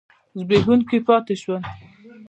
زبېښونکي پاتې شول.